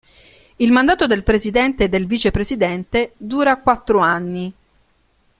Il mandato del presidente e del vicepresidente dura quattro anni.